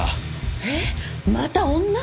えっまた女！？